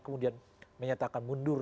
kemudian menyatakan mundur